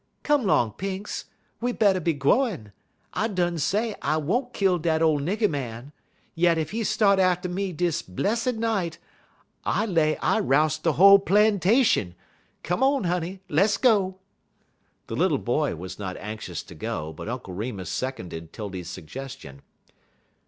"Come 'long, Pinx; we better be gwine. I done say I won't kill dat ole nigger man. Yit ef he start atter me dis blessid night, I lay I roust de whole plantation. Come on, honey; less go." The little boy was not anxious to go, but Uncle Remus seconded 'Tildy's suggestion.